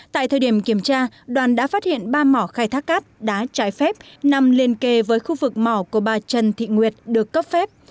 tại thời điểm kiểm tra đoàn đã phát hiện ba mỏ khai thác cát đá trái phép nằm liên kề với khu vực mỏ của bà trần thị nguyệt được cấp phép